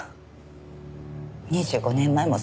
２５年前もそう。